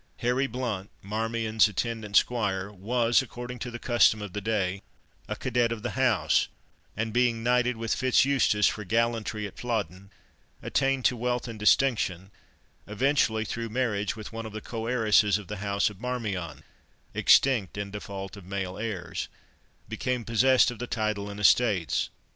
Harry Blount, Marmion's attendant squire, was, according to the custom of the day, a cadet of the house, and being knighted with FitzEustace for gallantry at Flodden, attained to wealth and distinction; eventually through marriage with one of the co heiresses of the house of Marmion, extinct in default of male heirs, became possessed of the title and estates.